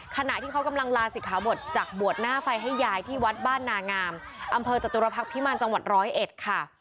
ขณะที่เขากำลังลาศิกขาบทจากบวชหน้าไฟให้ยายที่วัดบ้านนางามอำเภอจตุรพักษ์พิมารจังหวัดร้อยเอ็ดค่ะ